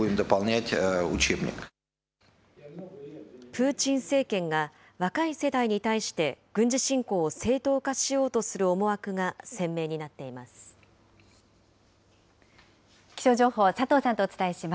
プーチン政権が、若い世代に対して軍事侵攻を正当化しようとする思惑が鮮明になっ気象情報、佐藤さんとお伝え